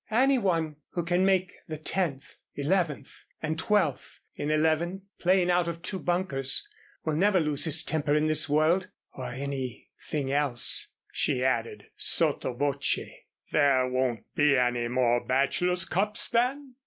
"Anyone who can make the tenth, eleventh and twelfth in eleven playing out of two bunkers will never lose his temper in this world or anything else," she added, sotto voce. "There won't be any more Bachelors' Cups, then?"